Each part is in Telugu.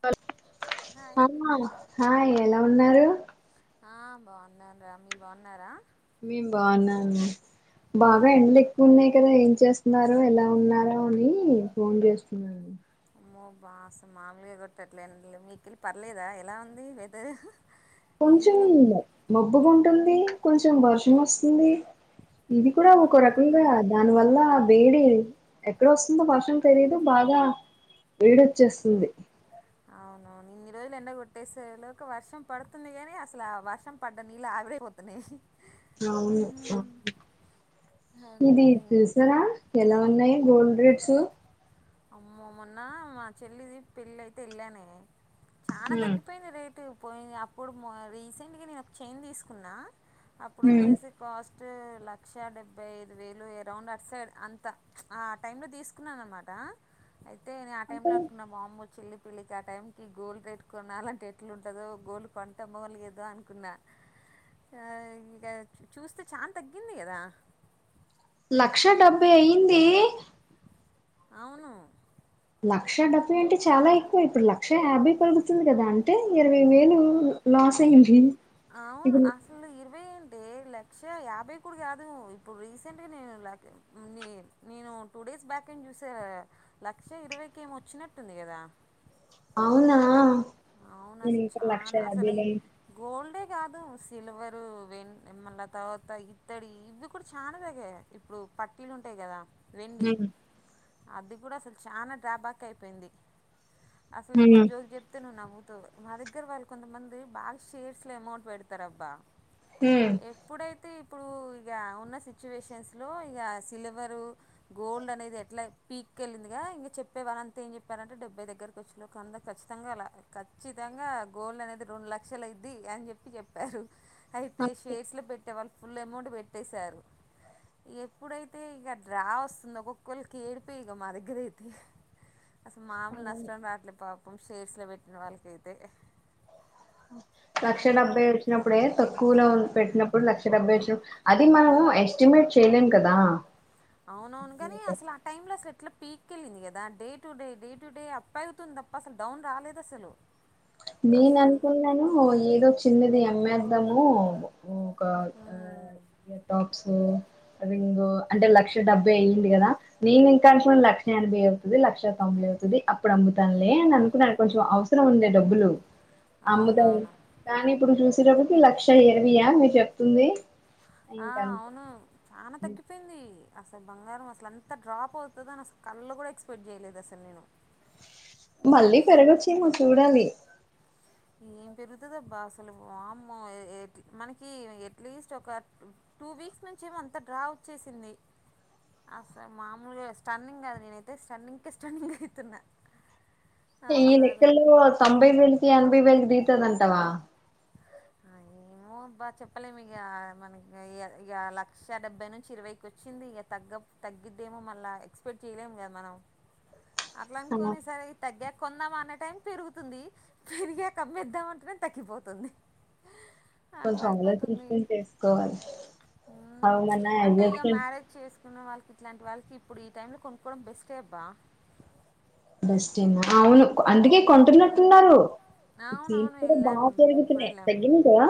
కాల్ హాయ్ అవునా హాయ్ ఎలా ఉన్నారు ఆ బాగున్నం రా మీరు బాగున్నారా మేం బాగున్నామ్ మే బాగా ఎండలు ఎక్కువ ఉన్నాయి కదా, ఏం చేస్తున్నారో, ఎలా ఉన్నారో అని ఫోన్ చేస్తున్నా. మ్మో బా అస్స మా మాములుగా కొట్టట్లే, మీకెళ్ళి పర్లేదా ఎలా ఉంది వెదర్. కొంచెం ఈవినింగ్ మబ్బు గుంటుంది కొంచెం వర్షం వస్తుంది ఇది కూడా ఒక మ్మ్. రకంగా దానివల్ల వేడి ఎక్కడ వస్తుందో వర్షం తేలిదు, బాగా వేడిచ్చేస్తుంది. అవునవున్ ఇన్ని రోజులు ఎండగొట్టేసేలో ఒక వర్షం పడుతుంది గానీ, అసలు ఆ వర్షం పడ్డ నీళ్ ఆవిరైపోతున్నాయి. మ్మ్. ఇది ఓకే తెల్సారా ఎలా ఉన్నాయి గోల్డ్ రేట్స్ అమ్మ మొన్న మా చెల్లిది పెళ్లి అయితే వెళ్ళానే చాల తగ్గిపోయింది రేటు పోయింది అప్పుడు రీసెంట్గా నేను ఒక చైన్ తీసుకున్నాను అప్పుడు వచ్చేసి కాస్ ఫస్ట్ లక్ష డెబ్బై ఐదు వేలు అరౌండ్ అటు సైడ్ అంతా ఆ టైంలో తీసుకున్నాను అనమాట అే ఆ టైంలో అంటే లో అనుకున్నా వామ్మో చిల్లి పిల్లికి ఆ టైంకి గోల్ పెట్టుకున్న అలాంటి ఎట్లు ఉంటుందో గోలు కొంటామో లే ఏదో అనుకున్నా ఇక చూస్తే చా తగ్గింది కదా లక్ష డెబ్బై అయింది అవును లక్ష డబ్బై అంటే చాలా ఎక్కువ ఇప్పుడు లక్ష యాభై పలుగుతుంది కదా అంటే ఇరవై వేలు లాస్ అయింది అవును ఇప్పుడు అసలు ఇరవై అంటే లక్ష యాభై కూడా కాదు ఇప్పుడు రీసెంట్గా నేను ల న నేను టూ డేస్ బ్యాక్ ఏం చూసే లక్ష ఇరవైకి ఏమి వచ్చినట్టుంది కదా అవునా అవును నేను అసలు ఇంకా లక్ష చానా అసలు యాభైలే గోల్డే కాదు సిల్వర్ వెం మళ తర్వాత ఇత్తడి ఇవి కూడా చాలా తగా ఇప్పుడు పట్టీలు ఉంటాయి కదా వెండి హ్మ్ అది కూడా అసలు చానా డ్రాబ్యాక్ అయిపోయింది అసలు ఇంకో హ్మ్ జోక్ జె నువ్వు నవ్వుతావు మా దగ్గర వాళ్ళు కొంతమంది బాగా షేర్స్ లో అమౌంట్ పెడతార అబ్బా హ్మ్. ఎప్పుడై అయితే ఇప్పుడు ఇక ఉన్న సిచ్యువేషన్స్ లో ఇక సిల్వరు గోల్డ్ అనేది ఎట్లా పీక్ వెళ్ళింది ఇంక చెప్పే వాళ్ళంతా ఏం చెప్పారంటే డెబ్బై దగ్గరకి వచ్చాక అందరు ఖచ్చిత అర్ధం కాలాఖచ్చితంగా గోల్డ్ అనేది రెండు లక్షల అయిద్ది అని చెప్పి చెప్పారు అయితే ఓకే. షేర్స్ లో పెట్టే వాళ్ళు ఫుల్ అమౌంట్ పెట్టేశారుక ఎప్పుడైతే ఇక డ్రా వస్తుంది ఒక్కొక్కళ్ళకి ఏడుపే ఇక మా దగ్గర అయితే అసలు మామూలు అవును. నష్టం రాట్లేదు [inaudible] షేర్స్లో పెటిన వాళ్కయితే లక్ష డెబ్బై వచ్చినప్పుడే తక్కువలో ఉం పెట్టినప్పుడు లక్ష డెబ్బై వచ్చిన అది మనము ఎస్టిమేట్ చేయలేం కదా అవునవును గాని అసలు ఆ టైమ్ లో అసలు ఎట్లా పీక్ అక్కకిళ్ళింది కదా day to day day to day up అవుతుంది తప్ప అసలు డౌన్ రాలేదు అసలు నేను అసలు అనుకున్నాను ఏదో చిన్నది అమ్మే ద్దము ఒక మ్మ్. టాప్ సో అది ఇంకో అంటే లక్ష డబ్బై అయ్యింది కదా నేను ఇంకొంచం లక్ష ఎనభై అవుతుంది లక్ష తొంభై అవుతుంది అప్పుడు అమ్ముతానులే అని అనుకున్నా కొంచెం అవసరం ఉంది డబ్బులు అమ్ముతాం అవునవును కానీ ఇప్పుడు చూసి చిర ఒకటి లక్ష ఇరవయా మీరు చెప్తుంది ఆ ఇంకంతే అవును చానా తగ్గిపోయింది అసలు బంగారం అసలు అంత డ్రాప్ అవుతుంద అని అసలు కళ్ళ కూడా ఎక్స్పెక్ట్ చేయలేదు అసలు నేను మళ్ళీ అసలు పెరగొచ్చేమో చూడాలి. ఏం పెరుగుతదబ్బా అసలు వామ్మో మనకి అట్లీస్ట్ ఒక టూ వీక్స్ నుంచి ఏమో అంతా డ్రా వచ్చేసింది. అసలు మామూలుగా స్టన్నింగ్ గద్ నేనైతే స్టన్నింగ్ అయితున్న. ఈ లెక్కల్లో తొంభై వేలుకి ఎనభై వేలు పెరిగితదంటవా ఏమో అబ్బా చెప్పలేం ఇగ మన ఇగ లక్ష డెబ్బై నుంచి ఇరవైకి వచ్చింది ఇగ తగ్గ తగ్గిద్దేమో మళ్ళ ఎక్స్పెక్ట్ చేయలేము కదా మనం అట్ల అనుకొని సరే తగ్గ కొందాం మనే టైం పెరుగుతుంది. పెరిగాక అమ్మేద్దాం అంటేనే తగ్గిపోతుంది. అట్లా కొంచెం అయిపోతుంది ఆలోచించుకొని చేసుకోవాలి అవునన్నా అంటే ఇగ ఎగ్జాక్ట్ మ్యారేజ్ చేసుకునే వాళ్ళకి ఇట్లాంటి వాళ్ళకి ఇప్పుడు ఈ టైంలో కొనుక్కోవడం బెస్టే అబ్బా అవును అందుకే కొంటున్నట్టున్నారు. అవునవును వెళ్ళాం బాగా మేము కూడా పెరుతున్నయి వెళ్ళాం తగ్గినంటయ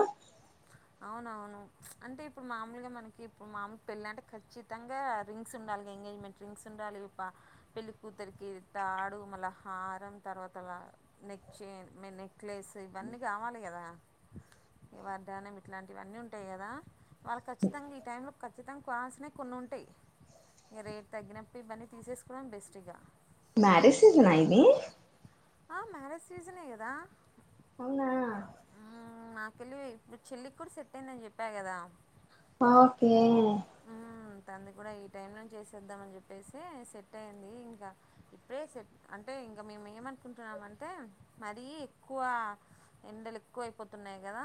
అవునవును అంటే ఇప్పుడు మామూల్గా మనకి ఇప్పుడు మామూలు పెళ్ళి అంటే ఖచ్చితంగా రింగ్స్ ఉండాలి ఎంగేజ్మెంట్ రింగ్స్ ఉండాలి పెళ్ళి కూతురికి తాడు మళ్ళ హారం తర్వాత నెక్ చేన్ మ నెక్లెస్ ఇవన్నీ కావాలి కదా ఇవన్న దానం ఇట్లాంటివన్నీ ఉంటాయి కదా వాళ్ళు ఖచ్చితంగా ఈ టైంలో ఖచ్చితంగా కొనాల్సినవి కొన్ని ఉంటాయి ఇంక రేట్ తగ్గినప్పుడు ఇవన్నీ తీసేసుకోవడం బెస్ట్గా ఇగ మ్యారేజ్ సీజనా ఇది ఆ మ్యారేజ్ సీజనే కదా అవునా నా పెళ్లి ఇప్పుడు చెల్లికి కూడా సెట్ అయిందని చెప్పా కదా ఓకే తనదే కూడా ఈ టైంలో చేసేద్దాం అని చెప్పేసి సెట్ అయ్యింది ఇంకా ఇప్పుడే సెట్ అంటే ఇంకా మేము ఏమనుకుంటున్నామంటే మరీ ఎక్కువ ఎండలు ఎక్కువ అయిపోతున్నాయి కదా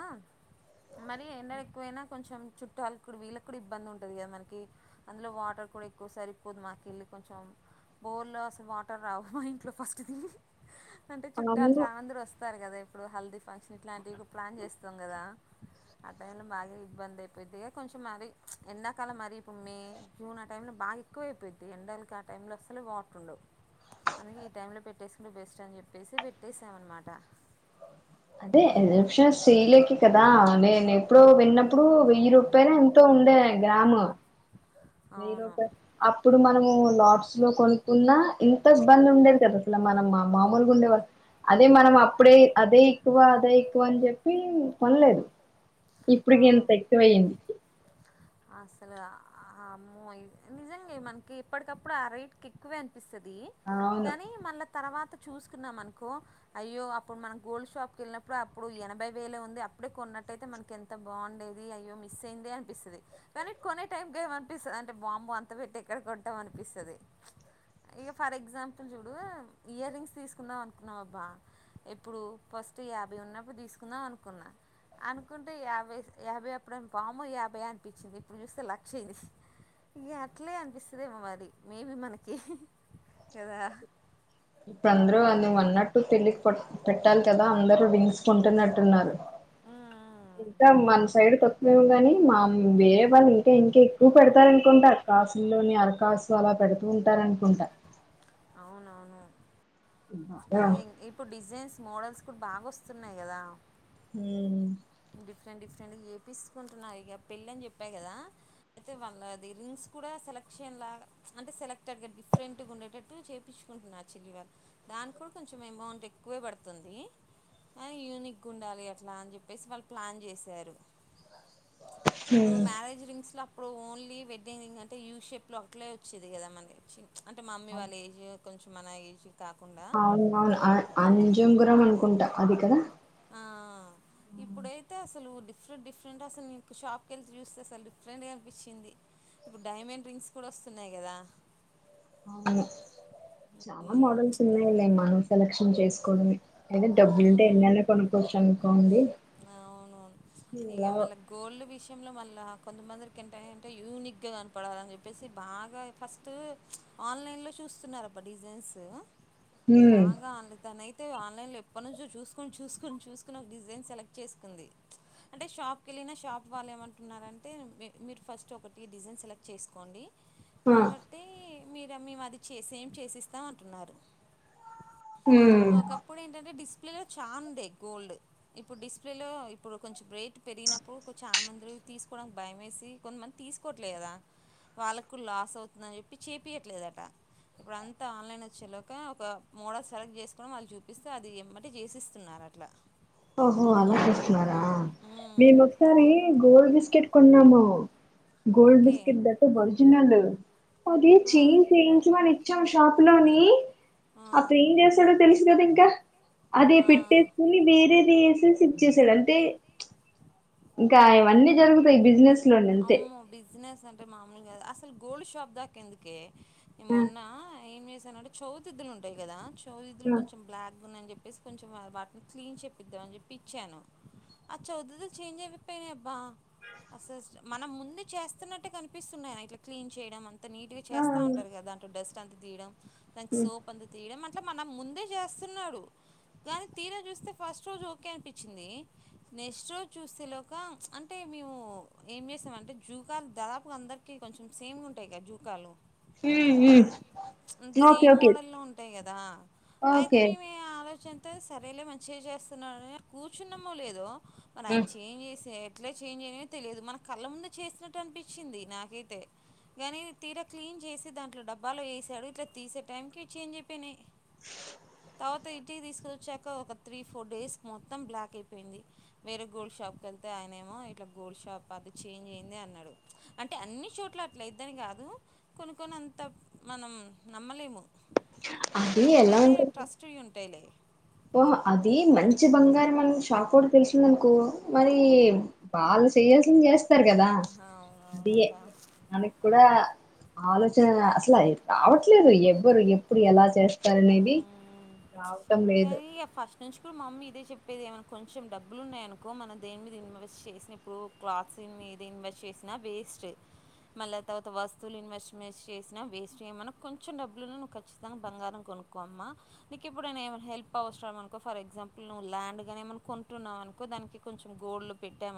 మరీ ఎండలు ఎక్కువైనా కొంచెం చుట్టకు వీళ్ళకు కూడా ఇబ్బంది ఉం ఉంటంది కదా మనకి అందులో వాటర్ కూడా ఎక్కువ సరిపోదు మా కెళ్ళి కొంచెం బోర్లో అసలు వాటర్ రావు మా ఇంట్లో ఫస్ట్ తి అంటే చుట్టాలు చాలా మంది వస్తారు కదా ఇప్పుడు హల్దీ ఫంక్షన్ ఇట్లాంటివి ప్లాన్ చేస్తాం కదా ఆ టైంలో బాగా ఇబ్బంది అయిపోంది కొంచెం మరి ఎండాకాలం మరి ఇప్పుడు మే జూన్ ఆ టైంలో బాగా ఎక్కువ అయిపోద్ది ఎండకి ఆ టైంలో అస్సలే వాటర్ ఉండవ్ అందుకే ఈ టైంలో పెట్టేసుకుంటే బెస్ట్ అని చెప్పేసి పెట్టేసామన్నమాట. అదే ఎజప్షన్స్ చేయలేకే కదా నేను ఎప్పుడో విన్నప్పుడు వెయ్యి రూపాయలు ఎంతో ఉండే గ్రామ్ వెయ్యి అవును రూపాయ అప్పుడు మనం లాట్స్ లో కొనుకున్నా ఇంత ఇబ్బంది ఉండేది కాదు అసలు మనం మా మామూలుగా ఉండేవాళ్ళ అదే మనం అప్పుడే అదే ఎక్కువ అదే ఎక్కువ అని చెప్పి కొనలేదు ఇప్పుడుకి ఇంత ఎక్కువైంది. అసల్ అమ్మో నిజంగా మనకి ఎప్పటికప్పుడు ఆ రేట్కి ఎక్కువే అం పిస్తది అవును గానీ మళ్ళా తర్వాత చూసుకున్నామనుకో అయ్యో అప్పుడు మనం గోల్డ్ షాప్కెళ్ళినప్పుడు అప్పుడు ఎనభై వేలే ఉంది అప్పుడే కొన్నట్టయితే మనకి ఎంత బాగుండేది అయ్యో మిస్ అయిందే అనిపిస్తది. కానీ కొనే టైంకి ఏమ అనిపిస్తది అంటే వామ్మో అంత పెట్టి ఎక్కడ కొంటామనిపిస్తుది. ఇగ ఫర్ ఎగ్జాంపుల్ చూడు ఇయర్ రింగ్స్ తీసుకుందాం అనుకున్నాం అబ్బా ఎప్పుడు ఫస్ట్ యాభై ఉన్నప్పుడు తీసుకుందాం అనుకున్నా అనుకుం యాభై యాభై అప్పుడు వామ్మో యాభై అనిపించింది. ఇప్పుడు చూస్తే లక్ష అయింది. ఇక అట్లే అనిపిస్తుందేమో మరి మేబీ మనకి కదా ఇప్పుడ్ అందరూ అన్ని అన్నట్టు పెళ్లి పెట్టాలి కదా అందరూ రింగ్స్ కోన్టున్నట్టున్నారు. మ్మ్. ఇంకా మన సైడ్ కొత్ మేము కాని మా వేరే వాళ్ళు ఇంకా ఇంకా ఎక్కువ పెడతారనుకుంటా కాసులోని అరకాసు అలా పెడుతూ ఉంటారు అనుకుంటా అవునవును బాగా ఇప్పుడు డిజైన్స్ మోడల్స్ కూడా బాగా వస్తున్నాయి కదా హ్మ్ డిఫరెంట్ డిఫరెంట్గా చేయించుకుంటున్నారు. ఇగ పెళ్ళని చెప్ప కదా అయితే వాళ్ళది రింగ్స్ గూడ సెలెక్షన్ లాగా అంటే సెలెక్టెడ్ డిఫ్రెంట్ గుండెటట్టు చేపించుకుంటున్నారు చెల్లి వాల్ దానిక్ కూడా కొంచం అమౌంట్ ఎక్కువే పడుతుంది. కానీ యునిక్ ఉండాలి అట్ల అని చే చెప్పేసి వాళ్ ప్లాన్ చేసారు. ఇప్పు ను మరేజ్ రింగ్స్లా ఇప్పుడు ఓన్లీ వెడ్డింగ్ ఇకంటే యూ షేప్లో అట్లే వచ్చేది కదా మన అంటే మామ్మీ వాళ్ళ ఏజ్ కొంచెం చి మనయజ అవును అవును అనజం గురం అంట కుంట అది కదా ఆ ఇప్పుడైతే అసలుఊ డిఫరెంట్ డిఫరెంట్ అసలు మీకు షాప్కి వెళ్తే చూస్తే అసలు డిఫరెంట్గా అనిపించింది ఇప్పుడు డైమండ్ రింగ్స్ కూడా వస్తున్నాయి కదా అవును చాలా మోడల్స్ ఉన్నాయిలే మనం సెలెక్షన్ చేసుకోవడమే అ డబ్బలి ఎ కొనుకోచ్చనుకోంది అవునవును ఇక మళ్ళ గోల్ విష విషయంలో మళ్ళీ కొంతమందికింటంట యూనిక్గా కనపడాలిని చెప్పేసి బాగా ఫస్ట్ ఆన్లైన్లో చూస్తున్నారుబ డిజైన్స్ హ్మ్ బగా అలిత నైట్ అయితే ఆన్లైన్ లో ఎప్పటి నుంచో చూసుకొని చూసుకొని చూసుకుని ఒక డిజైన్ సెలెక్ట్ చేసుకుంది అంటే షాప్కి వెళ్ళిన షాప్ వాళ్ళు ఏమంటున్నారుారంటే మీరు ఫస్ట్ ఒకటి డిజైన్ సెలెక్ట్ చేసుకోండి ఆ కాబట్టి మీరు మేము అది చేసే ఏం చేసిస్తాం అంటున్నారు హ్మ్ ఒకప్పుడు ఏంటంటే డిస్ డిస్ప్లేలో చఛా ఉండే గోల్డ్ ఇప్పుడు డిస్ప్లేలో ఇప్పుడు కొంచెం బ్రేట్ పెరిగినప్పుడు చా మందిలు తీసుకోవడానికి భయ వేసి కొంతమంది తీసుకోవట్లేదు కదా వాళ్ళకు లాస్ అవుతుందని చెప్పి చేపయట్లేదుట ఇప్పుడు అంతా ఆన్లైన్ వచ్చేలాక ఒక మోడల్ సెలెక్ట్ చేసు వాళ్ళు చూపిస్తే అది ఏమంటే చేసిస్తున్నారు అట్లా ఓహో అలా చేస్తున్నారా ఉమ్, మేము ఉమ్, ఒకసారి గోల్డ్ బిస్కెట్ కొన్నాము గోల్డ్ ఓకే బిస్కెట్ దాట ఒరిజినల్ అది ఆ, చ చేన్ంచ మ వచ్చాం షాపు లోని ఆ, అప్పుడు ఏం చేశాడో తెలుసు కదా ఇంకా అదే పెట్టే ఆ. స్కని వేరే కేసెస్ ఇచ్చేసి వెళ్తే ఇంకా ఇవన్నీ జరుగుతాయి బిజినెస్ లోని అంతే అమ్మ బిజినెస్ అంటే అే మామూలుగాదదు అసలు గోల్డ్ షాప్ దాకా ఎందుకే ఈ మొన్న ఏం చేశానంటే చవితిద్దులు ఉంటాయి కదా చోలు కొంచం బ్లాక్గా ఉయని చెప్పి చెప్పేసి కొంచెం వాటిని క్లీన్ చెపిద్దాం అని చెప్పి ఇచ్చాను ఆ చదుదు చేంజ్ అయిపోయినాయి అబ్బా అసెస మనం ముందు చేస్తున్నట్టే కనిపిస్తున్నాయి ఇట్లా క్లీన్ చేయడం అ త నీగా చేస్తా ఉంటారు కదాట్ డ్రస్ స్ంత తీడం తనికి సోప్ అంత త తీడం మ అట్లా మన ముందే చేస్తున్నాడు కానీ తీరా చూస్తే ఫస్ట్ రోజు ఓకే అనిపించింది నెక్స్ట్ రోజు చూస్తేలోక అంటే మేము ఏం చేసామ అంటే జూకాలు దాదాపుగా అందరికి కొంచెం సేమ్ ఉంటాయి కదా జూకాలు ఓకే ఓకే దా అయితే ఓకే మేమే ఆలోచన అ సరేలే మంచిగా చేస్తున్నాడుని కూర్చున్నమో లేదు మనంచి ఏం చేసే ఇట్ చంజయి తెలిదు మన కళ్ళ ముందు చేసినట్టు అనిపించింది నాకైతే కానీ తీరా క్లీన్ చేసి దాంట్లో డబ్బాలు వేసాడు ఇట్లా తీసే టైంకి ఇ చేం అయిపోయినాయి తర్వాత ఇటీ తీసుక వచ్చాక ఒక త్రీ ఫోర్ డేస్ మొత్తం బ్లాక్ అయిపోయింది వేరే గోల్డ్ షాకి వెళ్తే ఆయననేమో ఇట్లా గోల్డ్ షాప్ అది చేంజ్ అయింది అన్నాడు అంటే అన్ని చోట్ల అట్లాద్దని కాదు కొను కొని అంత మనం నమ్మలేము కొ అది కొన్ని ఎలా అయితే ఉంటది ట్రస్ట్ ఉంటాయిలే ఓహో అది మంచి బంగారం మనం షాక్ కూడా తెలిసింద అనుకో మరి వాళ్ళు చేయాల్సిిన చేస్త ారు కదా అదయే అవునవునబ్బా అకు కూడాడా ఆలోచన అసలు రావట్లేదు ఎవ్వరు ఎప్పుడు ఎలా చేస్తారనేది హ్మ్ రావటం లేదు కానీ ఇగ ఫస్ట్ నుంచి కూడా మా మమ్మీ ఇదే చెప్పేది ఏమైనా కొంచెం డబ్బులు ఉన్నాయ అనుకో మనం దేని మీద ఇన్వెస్ట్ చేసిన ఇప్పుడు క్లాత్స్ మీద ఇన్వెస్ట్ చేసినా వేస్ట్ మళ్ళీ తర్వాత వస్తువులు ఇన్వెస్ట్మెట్ చేినా వేస్ట్ మనకు కొంచెం డబ్బులున్నా నువ్వు ఖచ్చితంగా బంగారం కొనుక్క అమ్మా నీకు ఇప్పుడు నే ఏమ హెల్ప్ అవసరం అనుకో ఫర్ ఎగ్జాంపుల్ నువ్వు ల్యాండ్ ని ఏమన్నా కొంటున్నావు అనుకో దానికి కొంచెం గోల్డ్ పెట్టామ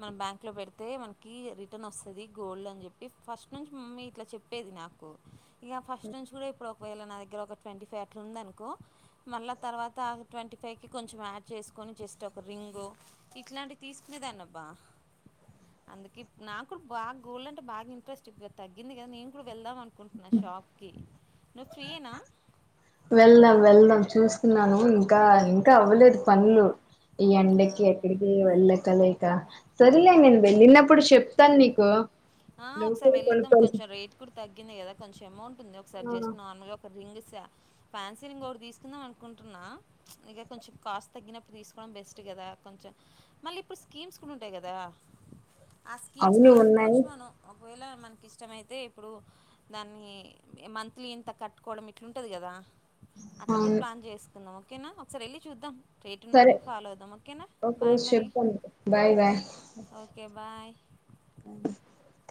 మనం బ్యాంక్ లో పెడితే మనకి రిటర్న్ వస్తుది గోల్డ్ అని చెప్పి ఫస్ట్ నుంచి మమ్మీ ఇట్లా చెప్పేది నాకు ఇక ఫస్ట్ నుంచి కూడా ఇప్పుడు పోయలా నాదకు్ర ఒక ట్వంటీ ఫైవ్ అట్లా ఉందనుకో మళ్ళీ తర్వాత ట్వంటీ ఫైవ్కి కొంచెం యాడ్ చేసుకొని జస్ట్ ఒక రింగు ఇట్లాంటివి తీసుకునేదాన్నబ్బా అందుక నా కూడా బాగా గోల్డ్ అంటే బాగా ఇంట్రెస్ట్ తగ్గింది కదా నేను కూడా వెళ్దాం అనుకుంటున్నా షాప్కి నువ్వు ఫ్రీ అనా వెళ్దాం వెళ్దాం చూసుకున్నాను ఇంకా ఇంకా అవ్వలేదు పనులు ఈ ఎండకి ఆ, ఎక్కడికి వెళ్ళక్క లేక సరిలే నేను బలిన్న ఇప్పుడు చెప్తాను నీకు లో కొల్పల్సి ంది కదా కొంచం అమౌంట్ ఉంది ఒకసారి జెస్ట్ నార్మల్ గా ఒక రింగ్ ఇస్ ఫ్యాన్సీరింగ్ ఒకటి తీసుకుందాం అనుకుంటున్నా ప్చ్ ఇక కొంచెం కాస్ట్ తగ్గినప్పుడు తీసుకోవడం బెస్ట్ కదా కొంచెం మళ్ళీ ఇప్పుడు స్కీమ్స్ కూడా ఉంటాయి కదా ఆ స్కీమ్స్ అవును కూడా ఉన్నాయి కట్టుకోవచ్చు మనం ఒకవేళ మనకి ఇష్టమైతే ఇప్పుడు దాన్ని మంత్లీ ఇంత కట్టుకోవడం ఇట్లుంటంది కదా అట్లా కూడా అవును ప్లాన్ చేసుకుందాం ఓకేనా ఒకసారి వెళ్ళిచూద్దాం ట్రేట్ని సరే బట్టి ఫాలో అవుద్దాం ఓకేనా ఒక బాయ్ రోజు మరి చెప్తాను బాయ్ ఓకే బాయ్ అ